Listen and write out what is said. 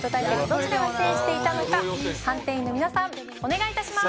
どちらが制していたのか判定員の皆さんお願い致します。